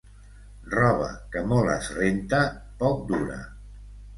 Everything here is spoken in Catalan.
Roba que molt es renta, poc dura.